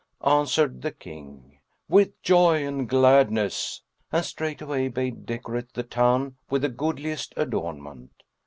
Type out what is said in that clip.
Answered the King, "With joy and gladness"; and straightaway bade decorate the town with the goodliest adornment.